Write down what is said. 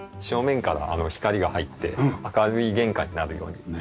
正面から光が入って明るい玄関になるように。